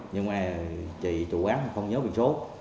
nhưng mà chị chủ quán không nhớ bình số